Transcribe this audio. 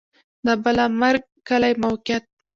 د بالامرګ کلی موقعیت